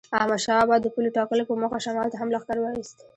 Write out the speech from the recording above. احمدشاه بابا د پولو ټاکلو په موخه شمال ته هم لښکر وایست.